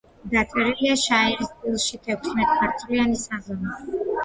დაწერილია შაირის სტილში თექვსმეტმარცვლიანი საზომით